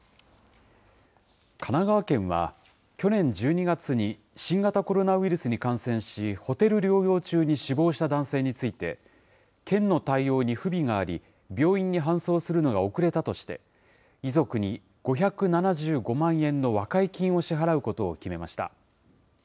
神奈川県は、去年１２月に新型コロナウイルスに感染し、ホテル療養中に死亡した男性について、県の対応に不備があり、病院に搬送するのが遅れたとして、遺族に５７５万円の和解金を支払うことを決めました。